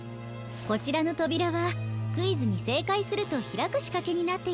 こちらのとびらはクイズにせいかいするとひらくしかけになっているんです。